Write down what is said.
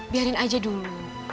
biarin aja dulu